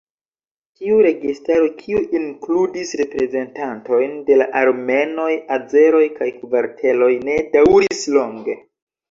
Tiu registaro, kiu inkludis reprezentantojn de la armenoj, azeroj kaj kartveloj ne daŭris longe.